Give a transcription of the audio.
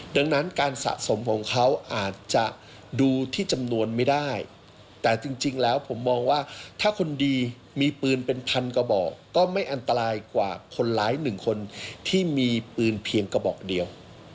ดังนั้นการสะสมของเขาอาจจะดูที่จำนวนไม่ได้แต่จริงแล้วผมมองว่าถ้าคนดีมีปืนเป็นพันกระบอกก็ไม่อันตรายกว่าคนร้ายหนึ่งคนที่มีปืนเพียงกระบอกเดียว